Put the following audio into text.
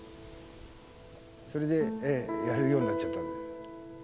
それでやるようになっちゃった。